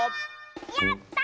やった！